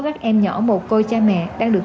các em nhỏ mồ côi cha mẹ đang được